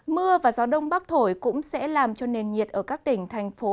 mưa và gió đông bắc thổi cũng sẽ làm cho nền nhiệt ở các tỉnh thành phố